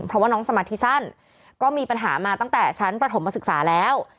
เพราะว่าน้องสมาธิสั้นก็มีปัญหามาตั้งแต่ชั้นประถมศึกษาแล้ว